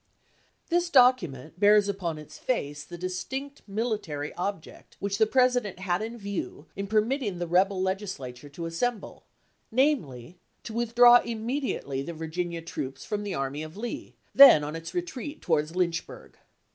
AptS?,w&. Weitzel, Testimony, This document bears upon its face the distinct ^gjSttee military object which the President had in view ™ uiTw&r, in permitting the rebel Legislature to assemble, part6!' namely, to withdraw immediately the Virginia troops from the army of Lee, then on its retreat towards Lynchburg.